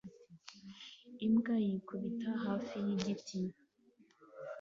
Imbwa yikubita hafi yigiti